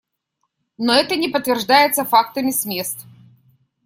Но это не подтверждается фактами с мест.